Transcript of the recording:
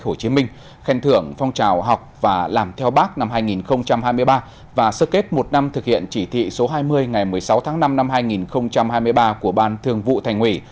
hồ chí minh khen thưởng phong trào học và làm theo bác năm hai nghìn hai mươi ba và sơ kết một năm thực hiện chỉ thị số hai mươi ngày một mươi sáu tháng năm năm hai nghìn hai mươi ba của ban thường vụ thành ủy